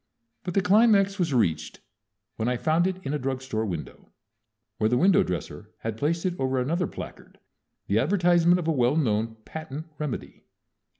But the climax was reached when I found it in a drug store window, where the window dresser had placed it over another placard, the advertisement of a well known patent remedy.